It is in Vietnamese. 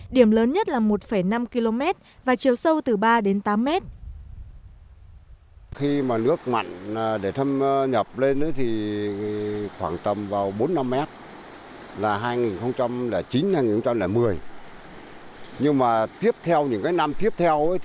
điểm lớn nhất là một năm km và chiều sâu từ ba đến tám mét